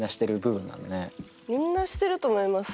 みんなしてると思います。